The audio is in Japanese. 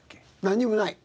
何もない。